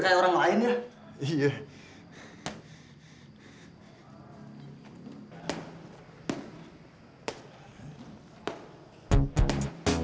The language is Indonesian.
kamu sudah pulang dari kerja ya